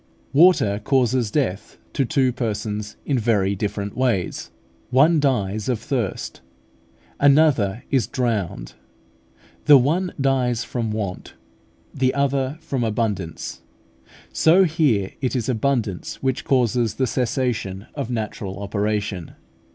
Water causes death to two persons in very different ways. One dies of thirst, another is drowned: the one dies from want, the other from abundance. So here it is abundance which causes the cessation of natural operation.